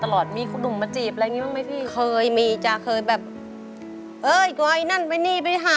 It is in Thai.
ร้องได้ในเพลงที่๒แบบนี้